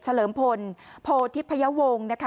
เฉลิมพลโพธิพัญวงศ์